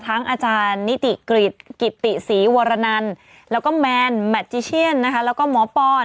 ทั้งอาจารย์นิติกฤตกฤตติศรีโวรนันแล้วก็แมนแมจิเชียนแล้วก็หมอปอล